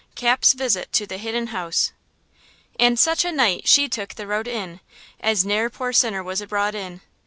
CAP'S VISIT TO THE HIDDEN HOUSE. And such a night "she" took the road in As ne'er poor sinner was abroad in.